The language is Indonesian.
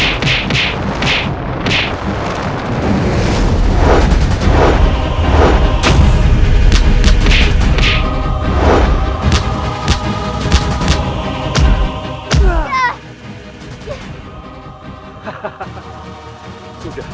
ibu bunda disini nak